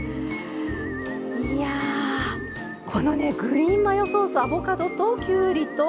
いやぁこのねグリーンマヨソースアボカドときゅうりとパセリ。